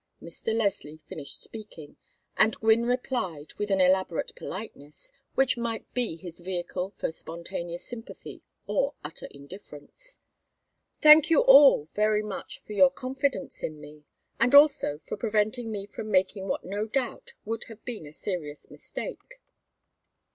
Mr. Leslie finished speaking, and Gwynne replied with an elaborate politeness, which might be his vehicle for spontaneous sympathy or utter indifference. "Thank you all very much for your confidence in me, and also for preventing me from making what no doubt would have been a serious mistake.